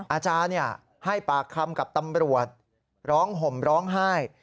อาจารย์ให้ปากคำกับตำรวจร้องห่มร้องไห้